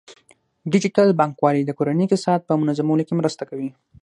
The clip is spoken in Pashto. ډیجیټل بانکوالي د کورنۍ اقتصاد په منظمولو کې مرسته کوي.